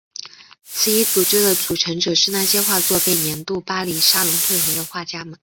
此一组织的组成者是那些画作被年度巴黎沙龙退回的画家们。